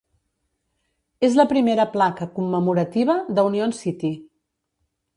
És la primera placa commemorativa de Union City.